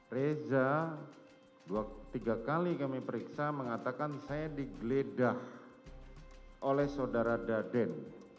reza tiga kali kami periksa mengatakan saya digeledah oleh saudara daden